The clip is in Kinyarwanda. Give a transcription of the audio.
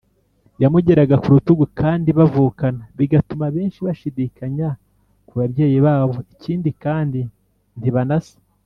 yamugeraga ku rutugu kandi bavukana bigatuma benshi bashidikanya ku ba byeyi babo ikindi kandi ntibanasa .